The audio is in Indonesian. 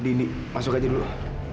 dini masuk aja dulu